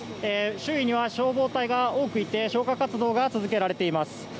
周囲には消防隊が多くいて消火活動が続けられています。